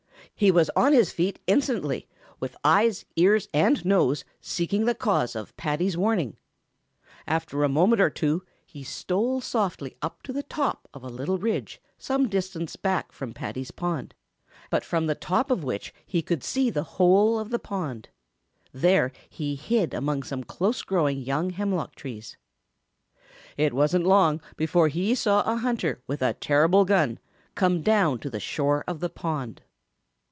He was on his feet instantly, with eyes, ears, and nose seeking the cause of Paddy's warning. After a moment or two he stole softly up to the top of a little ridge some distance back from Paddy's pond, but from the top of which he could see the whole of the pond. There he hid among some close growing young hemlock trees. It wasn't long before he saw a hunter with a terrible gun come down to the shore of the pond.